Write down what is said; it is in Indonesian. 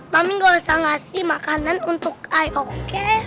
mami gak usah ngasih makanan untuk iok